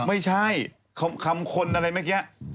ไม่ใช่คำคนอะไรเมื่อกี้